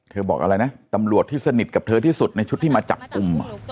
บอกอะไรนะตำรวจที่สนิทกับเธอที่สุดในชุดที่มาจับกลุ่ม